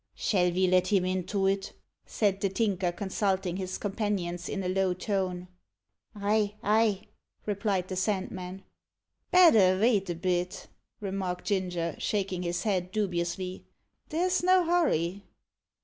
"Shall ve let him into it?" said the Tinker, consulting his companions in a low tone. "Ay ay," replied the Sandman. "Better vait a bit," remarked Ginger, shaking his head dubiously. "There's no hurry."